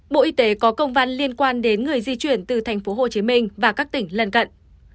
bộ y tế có công văn liên quan đến người di chuyển từ tp hcm và các tỉnh lân cận